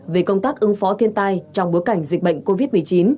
về công tác ứng phó thiên tai trong bối cảnh dịch bệnh covid một mươi chín